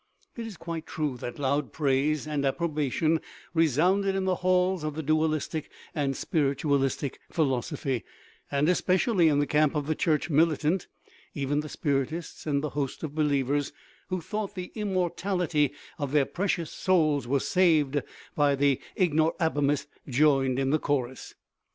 It is quite true that loud praise and approbation resounded in the halls of the dualistic and spiritualistic philosophy, and es pecially in the camp of the " Church militant "; even the spiritists and the host of believers, who thought the immortality of their precious souls was saved by the "Ignorabimus," joined in the chorus.